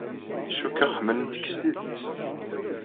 Cikkeɣ ḥemmlent-k s tidet.